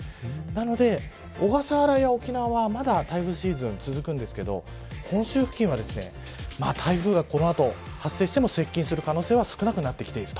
なので小笠原や沖縄はまだ台風シーズンが続きますが本州付近は台風がこの後発生しても、接近する可能性は少なくなってきている。